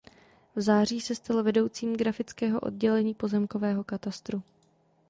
V září se stal vedoucím grafického oddělení pozemkového katastru.